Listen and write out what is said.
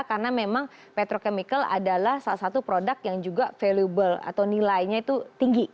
karena memang petrochemical adalah salah satu produk yang juga valuable atau nilainya itu tinggi